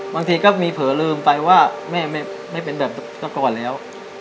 บางทีจะมีเผยลืมใส่แม่ไม่เป็นแบบเฉพาะแล้ว